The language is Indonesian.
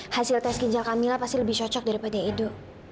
hasil tes ginjal kamila pasti lebih cocok daripada itu